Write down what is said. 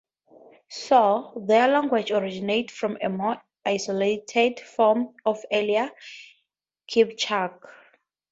So, their language originates from a more isolated form of earlier Kipchak.